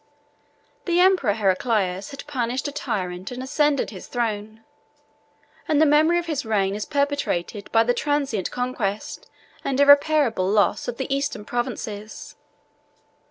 The emperor Heraclius had punished a tyrant and ascended his throne; and the memory of his reign is perpetuated by the transient conquest, and irreparable loss, of the Eastern provinces.